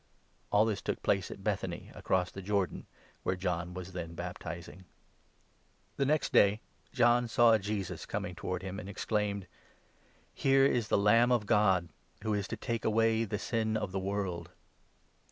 All this took place at Be.tb.any, across the Jordan, where John 28 was then baptizing. The next day John saw Jesus coming towards him, and 29 exclaimed :" Here is the Lamb of God, who is to take away the sin of J* Lev. a6. ii.